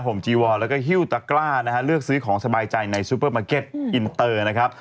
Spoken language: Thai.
จีวอนแล้วก็ฮิ้วตะกล้านะฮะเลือกซื้อของสบายใจในซูเปอร์มาร์เก็ตอินเตอร์นะครับ